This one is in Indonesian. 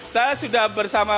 saya sudah bersama